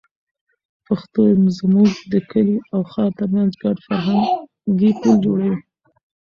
پښتو زموږ د کلي او ښار تر منځ ګډ فرهنګي پُل جوړوي.